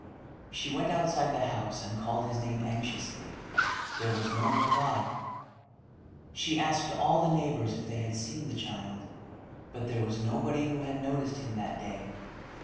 She went outside the house and called his name anxiously. There was no reply. She asked all the neighbors if they had seen the child, but there was nobody who had noticed him that day.